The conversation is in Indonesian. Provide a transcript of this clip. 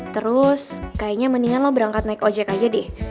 terus kayaknya mendingan lo berangkat naik ojek aja deh